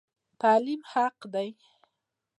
تعلیم حق دی